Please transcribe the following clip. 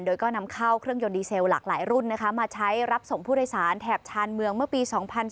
โดยก็นำเข้าเครื่องยนต์ดีเซลหลากหลายรุ่นมาใช้รับส่งผู้โดยสารแถบชานเมืองเมื่อปี๒๔